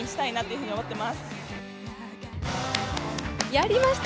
やりました！